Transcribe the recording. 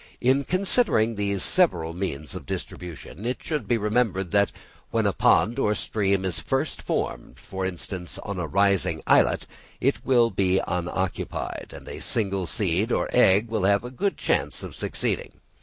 In considering these several means of distribution, it should be remembered that when a pond or stream is first formed, for instance on a rising islet, it will be unoccupied; and a single seed or egg will have a good chance of succeeding.